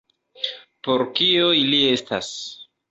Por kio ili estas?